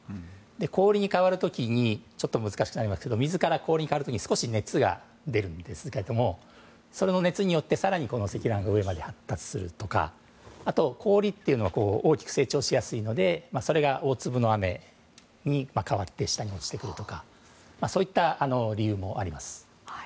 氷に変わる時に難しくなりますが少し熱が出るんですけれどもそれの熱によって更に積乱雲が上まで発達するとかあと、氷というのは大きく成長しやすいのでそれが大粒の雨に変わって下に落ちてくるとかそういった理由もあります。